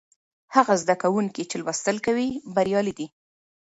هغه زده کوونکي چې لوستل کوي بریالي دي.